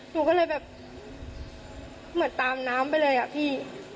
หนูก็เลยแบบเหมือนตามน้ำไปเลยอะพี่